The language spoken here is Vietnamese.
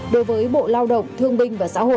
đối với bộ lao động thương binh và xã hội